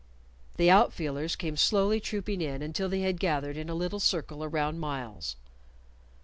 The outfielders came slowly trooping in until they had gathered in a little circle around Myles.